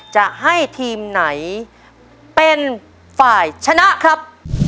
จะให้ทีมไหนเป็นฝ่ายชนะครับ